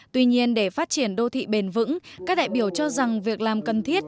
tuy nhiên để phát triển đô thị bền vững các đại biểu cho rằng việc làm cần thiết